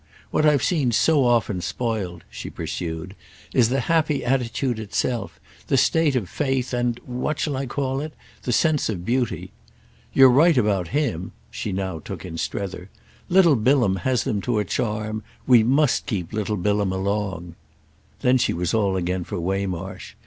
What I've seen so often spoiled," she pursued, "is the happy attitude itself, the state of faith and—what shall I call it?—the sense of beauty. You're right about him"—she now took in Strether; "little Bilham has them to a charm, we must keep little Bilham along." Then she was all again for Waymarsh.